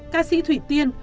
ca sĩ thủy tiên